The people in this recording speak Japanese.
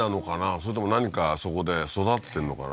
それとも何かそこで育ててるのかな？